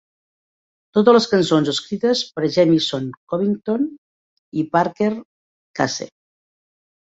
Totes les cançons escrites per Jamison Covington i Parker Case.